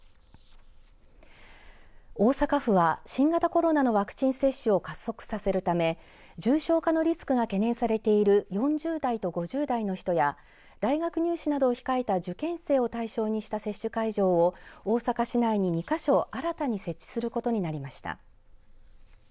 大阪府は新型コロナのワクチン接種を加速させるため重症化のリスクが懸念されている４０代と５０代の人や大学入試などを控えた受験生を対象にした接種会場を大阪市内に２か所新たに設置することになりました。